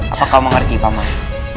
apakah kau mengerti fahman